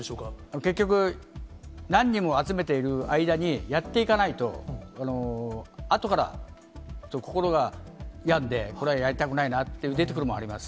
結局、何人も集めている間にやっていかないと、あとから心がやんで、これはやりたくないなと出てくるものもあります。